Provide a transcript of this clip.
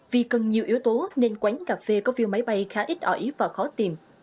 vì cần nhiều yếu tố nên quán cà phê có view máy bay khá ít ỏi và khó tìm